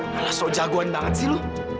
alah so jagoan banget sih lo